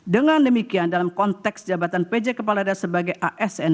dengan demikian dalam konteks jabatan pj kepala daerah sebagai asn